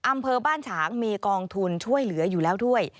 อำเภอบ้านฉางมีกองทุนช่วยเหลืออยู่แล้วด้วย